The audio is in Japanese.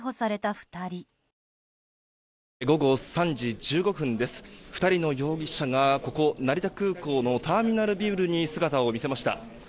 ２人の容疑者がここ成田空港のターミナルビルに姿を見せました。